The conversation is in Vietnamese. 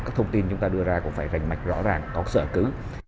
các thông tin chúng ta đưa ra cũng phải rành mạch rõ ràng có sở cứ